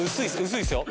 薄いですよ